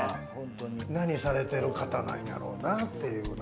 何されてる方なんやろうなというな。